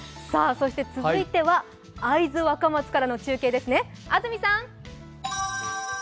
続いては会津若松からの中継ですね、安住さん。